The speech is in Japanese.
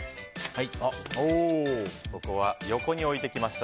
ここは４個に置いてきました。